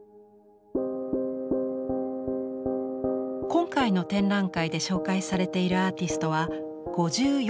今回の展覧会で紹介されているアーティストは５４組。